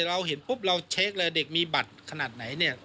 เราเห็นปุ๊บเราเช็คเลยเด็กมีบัตรขนาดไหนเนี่ย